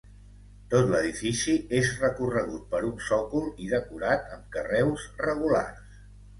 Tot l'edifici és recorregut per un sòcol i decorat amb carreus regulars.